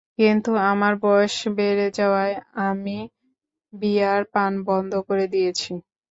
কিন্তু আমার বয়স বেড়ে যাওয়ায় আমি বিয়ার পান বন্ধ করে দিয়েছি।